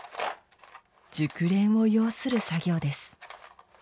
熟練を要する作業です。